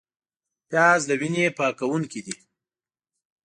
پیاز د وینې پاکوونکی دی